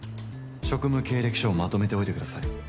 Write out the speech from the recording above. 「職務経歴書をまとめておいて下さい。